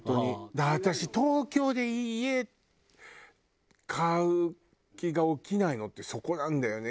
だから私東京で家買う気が起きないのってそこなんだよね。